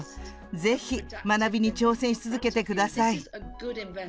ぜひ学びに挑戦し続けてください。